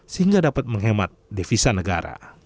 sehingga dapat menghemat devisa negara